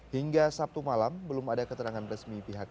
hingga sabtu malam belum ada keterangan resmi pihak